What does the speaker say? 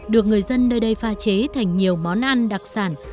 được người dân nơi đây pha chế thành nhiều món ăn đặc sản